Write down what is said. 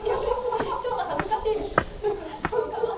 ちょっと恥ずかしいです。